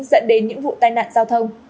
dẫn đến những vụ tai nạn giao thông